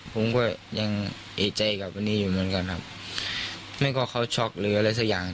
ผมก็ยังเอกใจกับวันนี้อยู่เหมือนกันครับไม่ว่าเขาช็อกหรืออะไรสักอย่าง